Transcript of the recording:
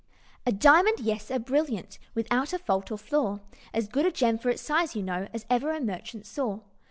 "A diamond? Yes! a brilliant, Without a fault or flaw, As good a gem, for its size, you know, As ever merchant saw.